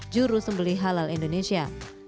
juru sembeli halal indonesia